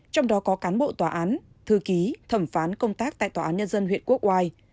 trong đó có cán bộ tòa án thư ký thẩm phán công tác tại tòa án nhân dân huyện quốc oai